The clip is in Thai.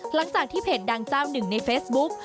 หลังจากที่เพจดังเจ้าหนึ่งในเฟซบุ๊ก